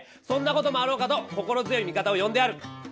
そんなこともあろうかと心強い味方を呼んである。